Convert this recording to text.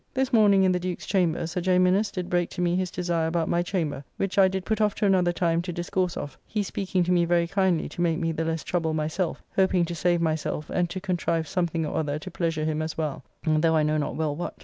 This morning in the Duke's chamber Sir J. Minnes did break to me his desire about my chamber, which I did put off to another time to discourse of, he speaking to me very kindly to make me the less trouble myself, hoping to save myself and to contrive something or other to pleasure him as well, though I know not well what.